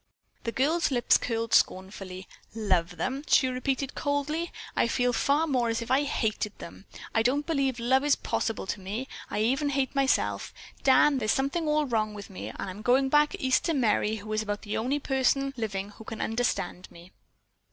The girl's lips curled scornfully. "Love them?" she repeated coldly. "I feel far more as if I hated them. I don't believe love is possible to me. I even hate myself! Dan, there's something all wrong with me, and I'm going back East to Merry, who is about the only person living who can understand me."